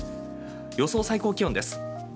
予想最高気温です。